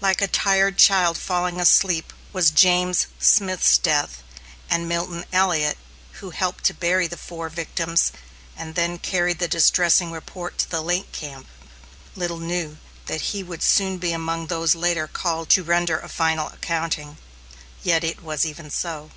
Like a tired child falling asleep, was James Smith's death; and Milton Elliot, who helped to bury the four victims and then carried the distressing report to the lake camp, little knew that he would soon be among those later called to render a final accounting. Yet it was even so.